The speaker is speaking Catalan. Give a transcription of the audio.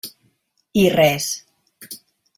I res.